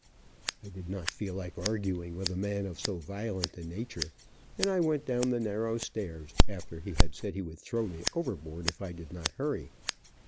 I did not feel like arguing with a man of so violent a nature, and I went down the narrow stairs, after he had said he would throw me overboard if I did not hurry.